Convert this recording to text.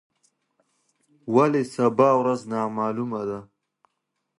ولي سبا ورځ نامعلومه ده؟